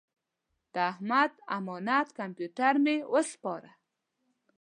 د احمد امانت کمپیوټر مې وسپاره.